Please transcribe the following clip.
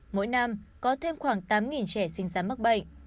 mỗi năm có thêm khoảng tám trẻ sinh ra mắc bệnh